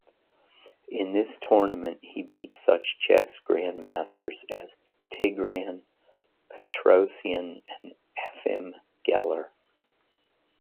In this tournament he beat such chess grandmasters as Tigran Petrosian and Efim Geller.